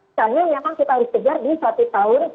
misalnya memang kita harus kejar di satu tahun